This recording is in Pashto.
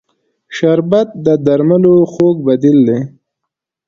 شربت د درملو خوږ بدیل دی